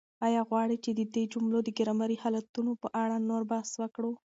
آیا غواړئ چې د دې جملو د ګرامري حالتونو په اړه نور بحث وکړو؟